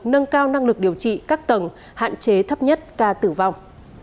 nâng cao năng lực điều trị các tầng hạn chế thấp nhất ca tử vong